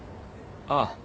ああ。